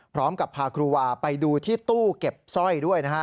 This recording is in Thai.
พร้อมกับพาครูวาไปดูที่ตู้เก็บสร้อยด้วยนะฮะ